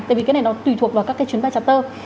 tại vì cái này nó tùy thuộc vào các cái chuyến bay chặt tơ